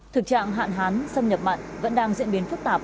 thực trạng hạn hán xâm nhập mặn vẫn đang diễn biến phức tạp